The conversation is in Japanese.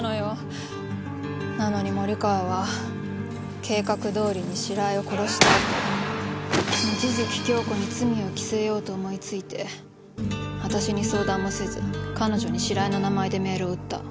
なのに森川は計画どおりに白井を殺したあと望月京子に罪を着せようと思いついて私に相談もせず彼女に白井の名前でメールを打った。